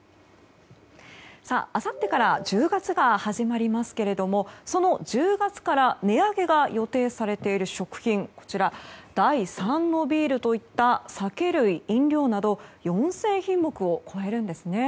あさってから１０月が始まりますけどもその１０月から値上げが予定されている食品第３のビールといった酒類・飲料など４０００品目を超えるんですね。